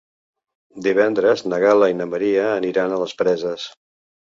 Divendres na Gal·la i na Maria aniran a les Preses.